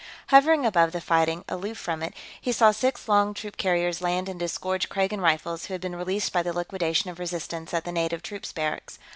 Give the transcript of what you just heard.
Hovering above the fighting, aloof from it, he saw six long troop carriers land and disgorge Kragan Rifles who had been released by the liquidation of resistance at the native troops barracks.